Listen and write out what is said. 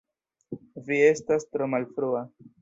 Vi estas tro malfrua